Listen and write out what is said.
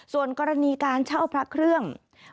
ส่วนกรณีการเช่าพระเครื่อง